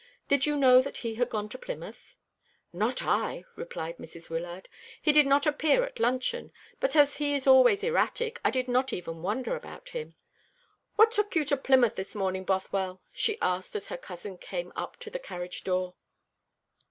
"Did you know that he had gone to Plymouth?" "Not I," replied Mrs. Wyllard. "He did not appear at luncheon, but as he is always erratic I did not even wonder about him. What took you to Plymouth this morning, Bothwell?" she asked, as her cousin came up to the carriage door.